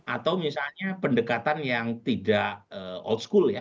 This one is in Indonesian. atau misalnya pendekatan yang tidak old school ya